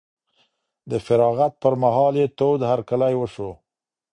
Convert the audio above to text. د فراغت پر مهال یې تود هرکلی وشو.